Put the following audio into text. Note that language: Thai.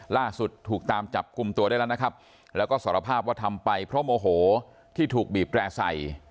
ล่าสุดถูกตามจับกลุ่มตัวได้แล้วนะครับแล้วก็สารภาพว่าทำไปเพราะโมโหที่ถูกบีบแร่ใส่